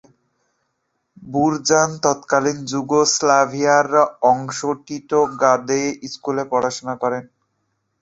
বুরজান তৎকালীন যুগোস্লাভিয়ার অংশ টিটোগ্রাদে স্কুলে পড়াশোনা করেন।